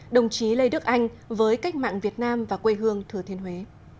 đồng chí lê đức anh với cách mạng việt nam và quê hương thừa thiên huế